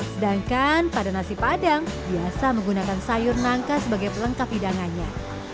sedangkan pada nasi padang biasa menggunakan sayur nangka sebagai pelengkap hidangannya